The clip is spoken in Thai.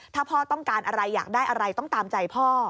ถ้าพ่อต้องการอะไรอยากได้อะไรต้องตามใจพ่อ